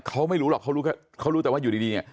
เขาไม่รู้หรอกเขารู้แต่ว่าอยู่ดีเนี่ย